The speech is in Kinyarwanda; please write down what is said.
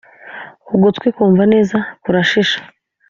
ugutwi kumva neza kurashisha